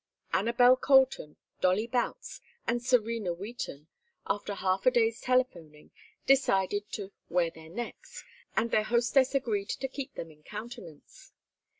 Anabel Colton, Dolly Boutts, and Serena Wheaton, after half a day's telephoning, decided to "wear their necks," and their hostess agreed to keep them in countenance.